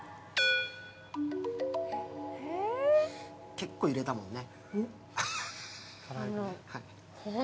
結構入れたもんね。